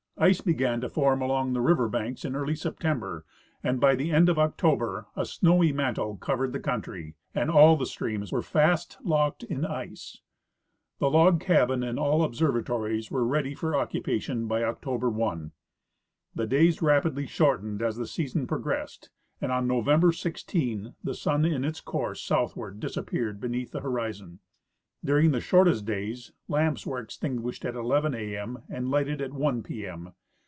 Ice began to form along the river banks in early Sep tember, and by the end of October a snowy mantle covered the country, and all the streams were fast locked in ice. The log cabin and all observatories were ready for occupation by October 1. The days rapidly shortened as the season progressed, and on November 16 the sun in his course southward disappeared be neath the horizon. During the shortest days lamps were extin guished at 11 a m and lighted at 1 p m.